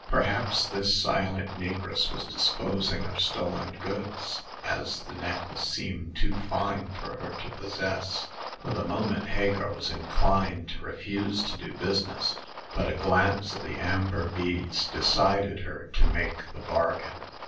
Perhaps this silent negress was disposing of stolen goods, as the necklace seemed too fine for her to possess. For the moment Hagar was inclined to refuse to do busi ness ; but a glance at the amber beads decided her to make the bargain.